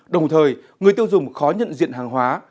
đồng thời người tiêu dùng khó nhận diện hàng hóa